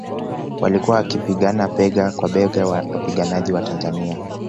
Walikuwa wakipigana bega kwa bega na wapiganaji wa Tanzania